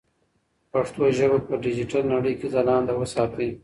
پښتو ژبه په ډیجیټل نړۍ کې ځلانده وساتئ.